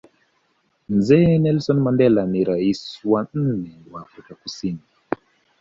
Mzee Nelson Mandela na raisi Rais wa nne wa Afrika kusini